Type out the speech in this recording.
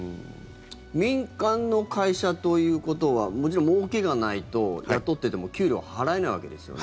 民間の会社ということはもちろんもうけがないと雇ってても給料、払えないわけですよね。